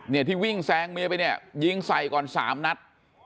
เนี่ยที่วิ่งแซงเมียไปเนี่ยยิงใส่ก่อนสามนัด